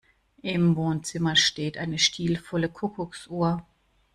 Im Wohnzimmer steht eine stilvolle Kuckucksuhr.